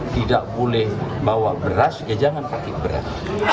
tidak boleh bawa beras ya jangan pakai beras